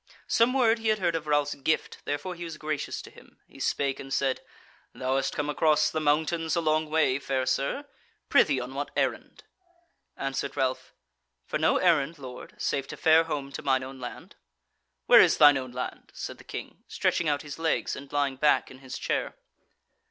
Some word he had heard of Ralph's gift, therefore he was gracious to him; he spake and said: "Thou hast come across the mountains a long way, fair Sir; prithee on what errand?" Answered Ralph: "For no errand, lord, save to fare home to mine own land." "Where is thine own land?" said the King, stretching out his legs and lying back in his chair.